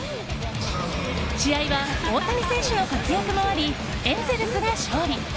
試合は大谷選手の活躍もありエンゼルスが勝利。